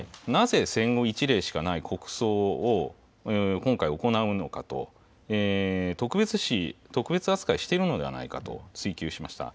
また立憲民主党の泉代表は、なぜ戦後１例しかない国葬を今回行うのかと、特別視、特別扱いしているのではないかと追及しました。